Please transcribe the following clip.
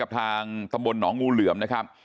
ทางตำบลหนองงูเหลือมนะครับ